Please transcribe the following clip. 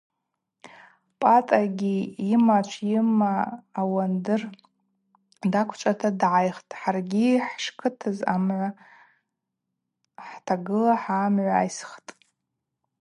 Пӏатӏагьи йымачв йыма ауандыр даквчӏвата дгӏайхтӏ, хӏаргьи хӏшкытыз амгӏва хӏтагыла хӏгӏамгӏвайсхтӏ.